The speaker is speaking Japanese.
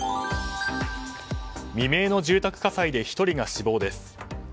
未明の住宅火災で１人が死亡です。